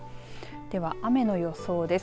では雨の予想です。